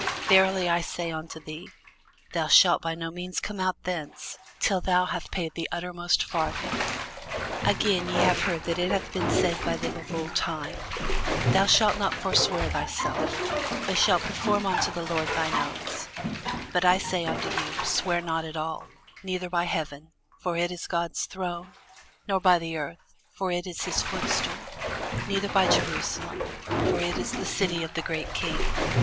Verily I say unto thee, Thou shalt by no means come out thence, till thou hast paid the uttermost farthing. Again, ye have heard that it hath been said by them of old time, Thou shalt not forswear thyself, but shalt perform unto the Lord thine oaths: but I say unto you, Swear not at all; neither by heaven; for it is God's throne: nor by the earth; for it is his footstool: neither by Jerusalem; for it is the city of the great King.